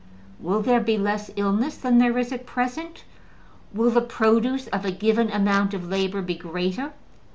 Will there be less illness than there is at present? Will the produce of a given amount of labor be greater?